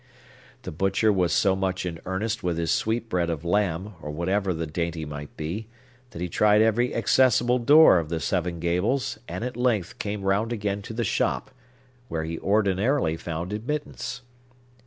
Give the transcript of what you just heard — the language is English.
The butcher was so much in earnest with his sweetbread of lamb, or whatever the dainty might be, that he tried every accessible door of the Seven Gables, and at length came round again to the shop, where he ordinarily found admittance.